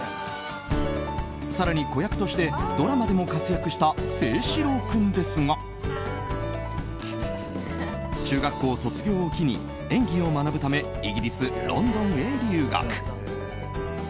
更に子役としてドラマでも活躍した清史郎君ですが中学校卒業を機に演技を学ぶためイギリス・ロンドンへ留学。